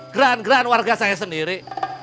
grand grand warga saya sendiri